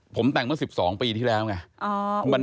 ผมแต่งเมื่อ๑๒ปีที่แล้วไง